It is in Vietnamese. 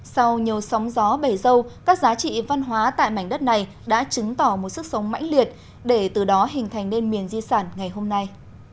sau nhiều sóng gió bể dâu các giá trị văn hóa tại mảnh đất này đã chứng tỏ một sức sống mãnh liệt để từ đó hình thành nên miền di sản ngày hôm nay